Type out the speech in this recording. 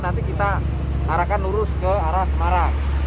nanti kita arahkan lurus ke arah semarang